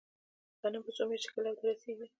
غنم په څو میاشتو کې لو ته رسیږي؟